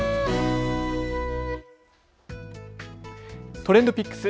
ＴｒｅｎｄＰｉｃｋｓ。